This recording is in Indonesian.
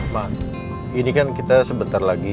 bang ini kan kita sebentar lagi